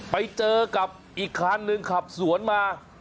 ไปเจอกับอีกคันหนึ่งขับสวนมา